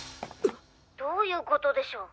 どういうことでしょう？